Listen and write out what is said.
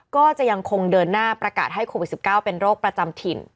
ก็จะยังคงเดินหน้าประกาศให้โควิด๑๙เป็นโรคประจำถิ่น